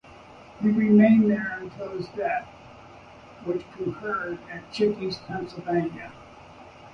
He remained there until his death, which occurred at Chickies, Pennsylvania.